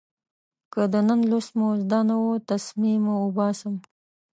که د نن لوست مو زده نه و، تسمې مو اوباسم.